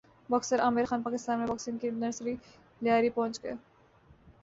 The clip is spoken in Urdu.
باکسر عامر خان پاکستان میں باکسنگ کی نرسری لیاری پہنچ گئے